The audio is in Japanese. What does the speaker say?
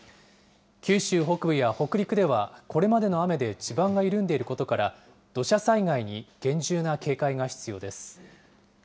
九州北部や北陸では、これまでの雨で地盤が緩んでいることから土砂災害に厳重な警戒が必要です。